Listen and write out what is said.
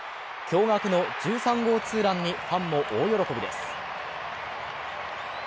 驚がくの１３号ツーランにファンも大喜びです。